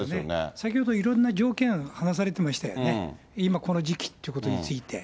先ほどいろんな条件、話されてましたよね、今、この時期っていうことについて。